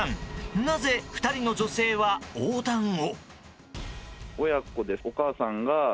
なぜ２人の女性は横断を？